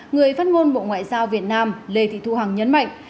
người phát ngôn bộ ngoại giao việt nam lê thị thu hằng nhấn mạnh